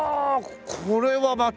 これはまた。